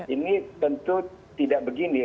ini tentu tidak begini